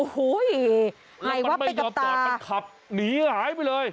โห้ยยไหนวะปลิกบัตรมันขับหายไปเลย